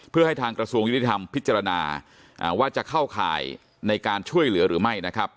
เพื่อให้ทางกระทรวงยุติธรรมพิจารณาว่าจะเข้าข่ายในการช่วยเหลือหรือไม่นะครับ